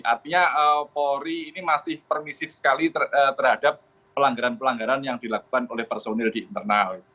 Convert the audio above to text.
artinya polri ini masih permisif sekali terhadap pelanggaran pelanggaran yang dilakukan oleh personil di internal